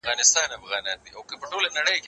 انځور وګوره؟!